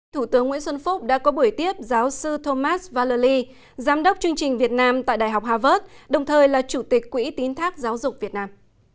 thủ tướng nguyễn xuân phúc đã có buổi tiếp giáo sư thomas valay giám đốc chương trình việt nam tại đại học harvard đồng thời là chủ tịch quỹ tín thác giáo dục việt nam